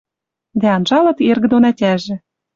Дӓ анжалыт эргӹ дон ӓтяжӹ